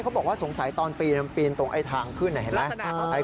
เค้าบอกว่าสงสัยตอนปีนตรงทางพื้นเห็นไหม